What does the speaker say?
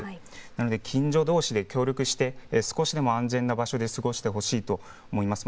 なので、近所どうしで協力して、少しでも安全な場所で過ごしてほしいと思います。